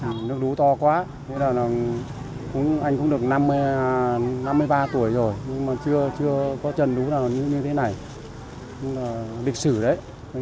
nước đú to quá anh cũng được năm mươi ba tuổi rồi nhưng mà chưa có trần đú nào như thế này địch sử đấy